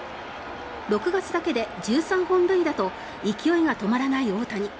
６月だけで１３本塁打と勢いが止まらない大谷。